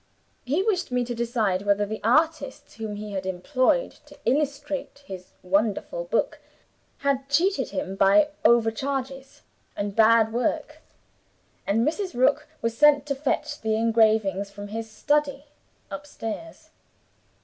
He wished me to decide whether the artists whom he had employed to illustrate his wonderful book had cheated him by overcharges and bad work and Mrs. Rook was sent to fetch the engravings from his study upstairs.